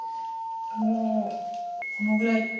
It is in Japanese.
もうこのぐらい。